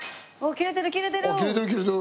切れてる切れてる。